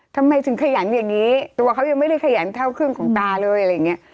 ทำไมถึงขยันอย่างนี้ตัวเขายังไม่ได้ขยันเท่าครึ่งของตาเลยอะไรอย่างนี้